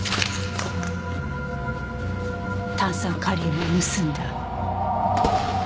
炭酸カリウムを盗んだ。